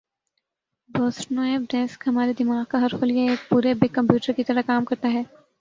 Boston Web desk ہمارے دماغ کا ہر خلیہ ایک پورےبگ کمپیوٹر کی طرح کام کرتا ہے